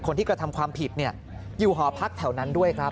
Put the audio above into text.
คนที่กระทำความผิดอยู่หอพักแถวนั้นด้วยครับ